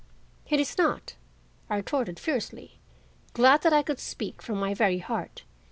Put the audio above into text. "It is not," I retorted fiercely, glad that I could speak from my very heart.